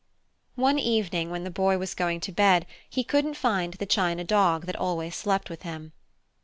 One evening, when the Boy was going to bed, he couldn't find the china dog that always slept with him.